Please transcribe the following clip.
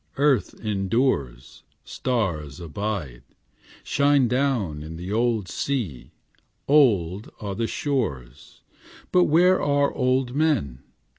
Earth endures; Stars abide Shine down in the old sea; Old are the shores; But where are old men?